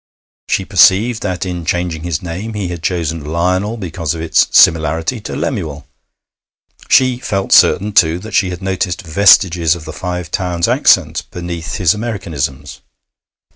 She perceived that in changing his name he had chosen Lionel because of its similarity to Lemuel. She felt certain, too, that she had noticed vestiges of the Five Towns accent beneath his Americanisms.